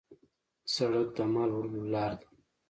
سړک د مال وړلو لار ده.